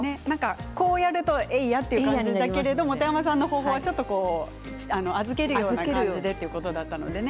こうやるとえいやという感じだけどもでも本山さんの方法は預けるような感じでということだったのでね。